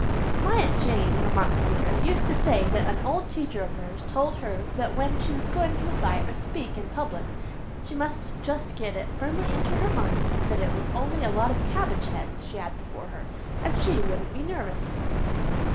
"My Aunt Jane," remarked Peter, "used to say that an old teacher of hers told her that when she was going to recite or speak in public she must just get it firmly into her mind that it was only a lot of cabbage heads she had before her, and she wouldn't be nervous."